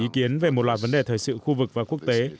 ý kiến về một loạt vấn đề thời sự khu vực và quốc tế